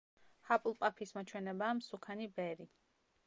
ჰაფლპაფის მოჩვენებაა მსუქანი ბერი.